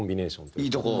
いいとこを？